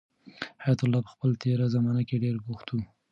حیات الله په خپل تېره زمانه کې ډېر بوخت و.